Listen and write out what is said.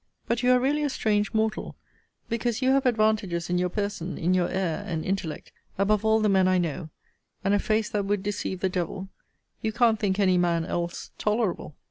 But you are really a strange mortal: because you have advantages in your person, in your air, and intellect, above all the men I know, and a face that would deceive the devil, you can't think any man else tolerable.